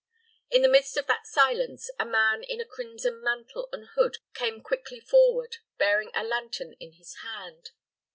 In the midst of that silence, a man in a crimson mantle and hood came quickly forward, bearing a lantern in his hand.